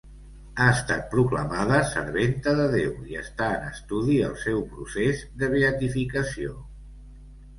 Ha estat proclamada serventa de Déu i està en estudi el seu procés de beatificació.